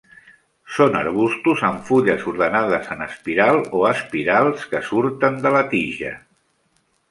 Són arbustos amb fulles ordenades en espiral o espirals que surten de la tija.